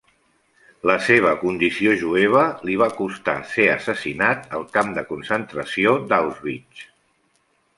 La seva condició jueva li va costar ser assassinat al camp de concentració d'Auschwitz.